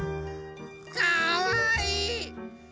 かわいい！